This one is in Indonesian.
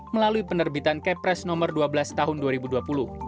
melalui penerbangan keuangan negara di tengah bencana